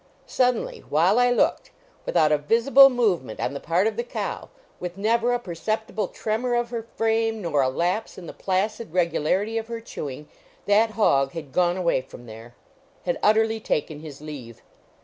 Suddenly, while I looked without a visible movement on the part of the cow with never a perceptible tremor of her frame, nor a lapse in the placid regularity of her chewing that hog had gone away from there had utterly taken his leave.